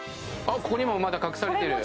ここにもまだ隠されてる。